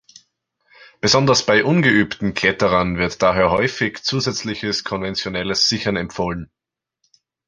Besonders bei ungeübten Kletterern wird daher häufig zusätzliches konventionelles Sichern empfohlen.